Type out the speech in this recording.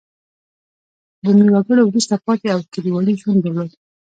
بومي وګړو وروسته پاتې او کلیوالي ژوند درلود.